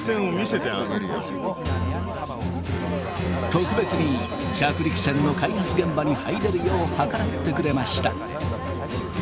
特別に着陸船の開発現場に入れるよう計らってくれました。